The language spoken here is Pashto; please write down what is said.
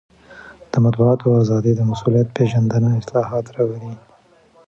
د مطبوعاتو ازادي او مسوولیت پېژندنه اصلاحات راولي.